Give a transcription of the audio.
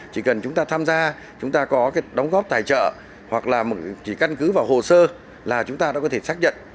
chỉ cần chúng ta tham gia chúng ta có cái đóng góp tài trợ hoặc là chỉ căn cứ vào hồ sơ là chúng ta đã có thể xác nhận